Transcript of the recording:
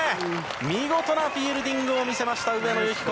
見事なフィールディングを見せました、上野由岐子。